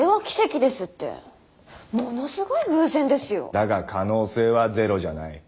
だが可能性はゼロじゃない。